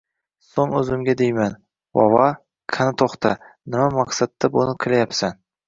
Soʻng oʻzimga deyman, Vova, qani toʻxta, nima maqsadda buni qilyapsan?